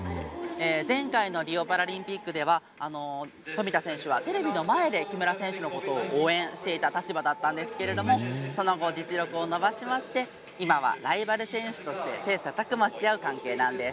前回のリオパラリンピックでは富田選手はテレビの前で木村選手のことを応援していた立場だったんですけれどもその後、実力を伸ばしまして今は、ライバル選手として切さたく磨し合う関係なんです。